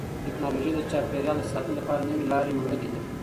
تکنالوژي د چاپیریال د ساتنې لپاره نوې لارې موندلې دي.